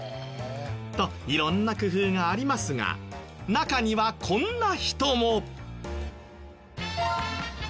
と色んな工夫がありますが中にはこんな人も。